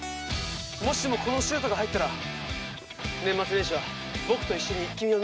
もしもこのシュートが入ったら年末年始は僕と一緒に「イッキ見！」を見てくれるって。